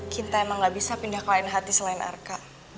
kita emang gak bisa pindah ke lain hati selain arka